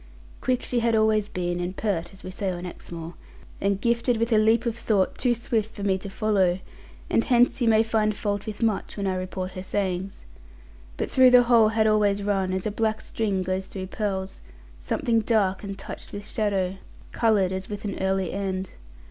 Quick she had always been and 'peart' (as we say on Exmoor) and gifted with a leap of thought too swift for me to follow; and hence you may find fault with much, when I report her sayings. But through the whole had always run, as a black string goes through pearls, something dark and touched with shadow, coloured as with an early end.